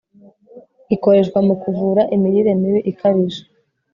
ikoreshwa mu kuvura imirire mibi ikabije